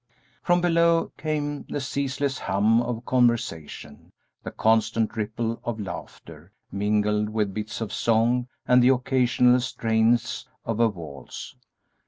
From below came the ceaseless hum of conversation, the constant ripple of laughter, mingled with bits of song, and the occasional strains of a waltz.